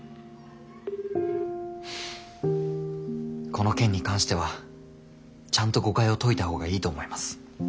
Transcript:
☎この件に関してはちゃんと誤解を解いたほうがいいと思います。